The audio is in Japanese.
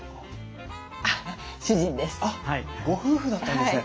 あっご夫婦だったんですね。